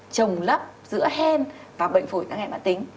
trồng lấp giữa hen và bệnh phối tăng hẹn bản tính